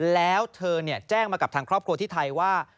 แล้วเธอแจ้งมากับทางครอบครัวที่ไทยว่า